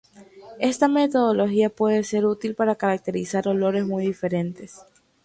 Esta metodología puede ser útil para caracterizar olores muy diferentes.